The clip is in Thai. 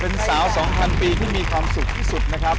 เป็นสาว๒๐๐ปีที่มีความสุขที่สุดนะครับ